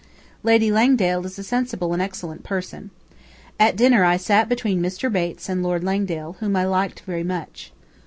Lady Langdale is a sensible and excellent person. At dinner I sat between Mr. Bates and Lord Langdale, whom I liked very much.